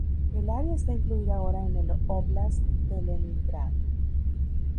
El área está incluida ahora en el óblast de Leningrado.